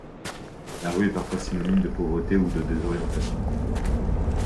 La rue est parfois synonyme de pauvreté, ou de désorientation.